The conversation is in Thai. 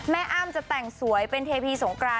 อ้ำจะแต่งสวยเป็นเทพีสงกราน